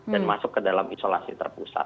dan masuk ke dalam isolasi terpusat